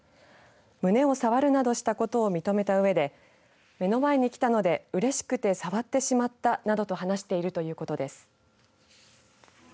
胸を触るなどしたことを認めたうえで目の前に来たのでうれしくて触ってしまったなどと話しているということです。